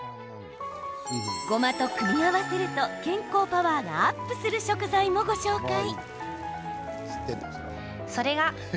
ごまと組み合わせると健康パワーがアップする食材もご紹介。